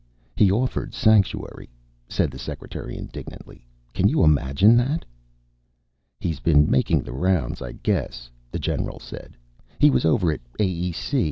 "He offered sanctuary," said the secretary indignantly. "Can you imagine that!" "He's been making the rounds, I guess," the general said. "He was over at AEC.